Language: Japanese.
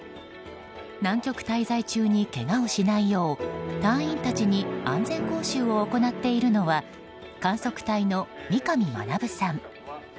南極滞在中にけがをしないよう隊員たちに安全講習を行っているのは観測隊の三上学さん。